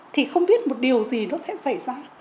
thì không biết một điều gì nó sẽ xảy ra